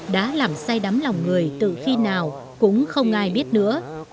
đã làm say đắm lòng người từ khi nào cũng không ai biết nữa